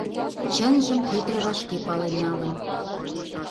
Чынжым Пӧтыр вашке пален налын.